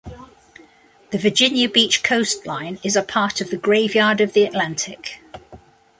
The Virginia Beach coastline is a part of the Graveyard of the Atlantic.